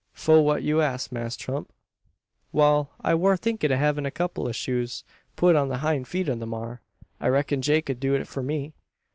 Fo what you ask, Mass Tump?" "Wal; I war thinkin' o' havin' a kupple o' shoes put on the hind feet o' the maar. I reck'n Jake ud do it for me."